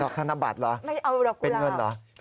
ดอกธนบัตรหรอเป็นเงินหรอไม่เอาดอกกุลาว